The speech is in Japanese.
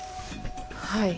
はい。